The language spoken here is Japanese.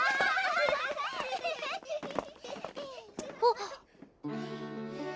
あっ！